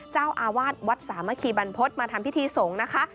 เจ้าอาวาสวัดสามัคคีบรรพฤษมาทำพิธีสงฆ์นะคะ